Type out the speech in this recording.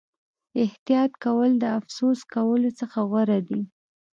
احتیاط کول د افسوس کولو څخه غوره دي.